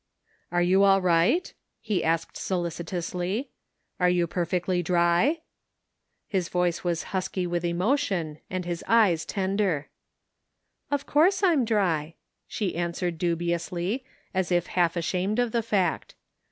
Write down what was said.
"Are you all right? " he asked solicitously. "Are you perfectly dry ?*' His voice was husky with emotion and his eyes tender. " Of course I'm dry," she answered dubiously, as if half ashamed of the fact.